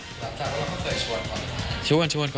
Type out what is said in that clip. สำคัญว่าเราก็เคยชวนเขา